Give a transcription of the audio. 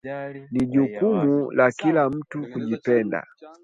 Ni jukumu la kila mtu kujipenda